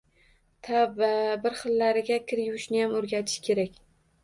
Tavba, bir xilgilarga kir yuvishniyam oʻrgatish kerak…